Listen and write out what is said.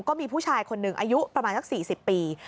ก็มีผู้ชายคนหนึ่งอายุประมาณสัก๔๐ปี